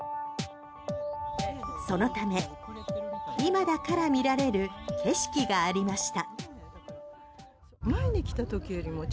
そのため、今だから見られる景色がありました。